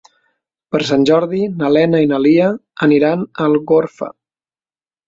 Per Sant Jordi na Lena i na Lia aniran a Algorfa.